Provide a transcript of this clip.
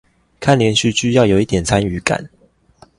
看連續劇要有一點參與感